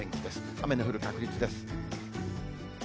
雨の降る確率です。